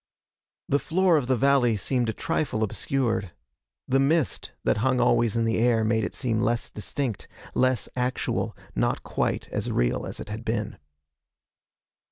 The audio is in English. The floor of the valley seemed a trifle obscured. The mist that hung always in the air made it seem less distinct; less actual; not quite as real as it had been.